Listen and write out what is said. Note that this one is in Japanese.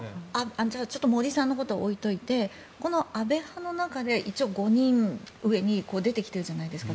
じゃあ森さんのことは置いておいて安倍派の中で一応５人上に出てきてるじゃないですか。